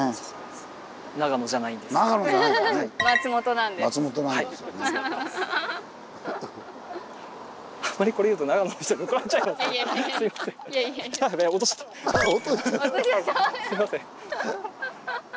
すいません。